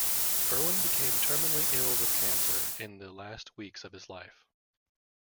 Irwin became terminally ill with cancer in the last weeks of his life.